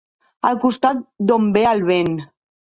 El costat d'on ve el vent.